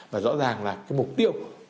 và rõ ràng là cái mục tiêu